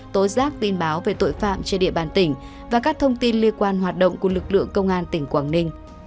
tố giác tin báo về tội phạm trên địa bàn tỉnh và các thông tin liên quan hoạt động của lực lượng công an tỉnh quảng ninh